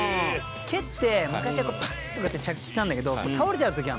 蹴って昔はこうパーン！とかって着地してたんだけど倒れちゃう時あるの。